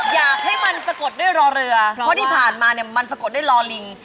อยากให้มันสะกดด้วยรอเรือเพราะที่ผ่านมาเนี่ยมันสะกดด้วยรอลิง